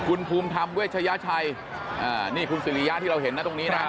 คุณภูมิธรรมเวชยชัยนี่คุณสิริยะที่เราเห็นนะตรงนี้นะ